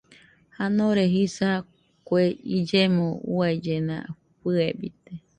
Janore jisa kue illemo uaillena fɨebite